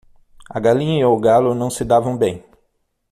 A galinha e o galo não se davam bem.